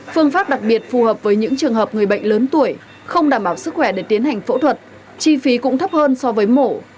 phương pháp đặc biệt phù hợp với những trường hợp người bệnh lớn tuổi không đảm bảo sức khỏe để tiến hành phẫu thuật chi phí cũng thấp hơn so với mổ